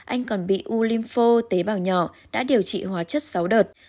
anh còn bị u lympho tế bào nhỏ đã điều trị hóa chất sáu đợt